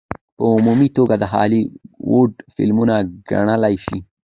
په عمومي توګه د هالي وډ فلمونه ګڼلے شي.